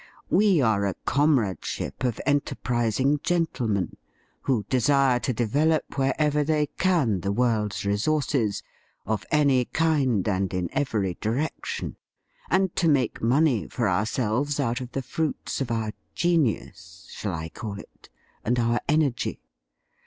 We are a comradeship of enterprising gentlemen, who desire to develop wherever they can the world's resources, of any kind and in every direction, and to make money for our selves out of the fruits of our genius — shall I call it ?— and our energy.